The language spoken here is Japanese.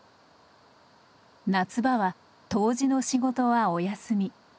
夏場は杜氏の仕事はお休み。